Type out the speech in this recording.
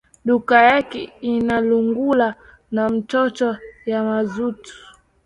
Duka yake inalungula na moto ya mazutu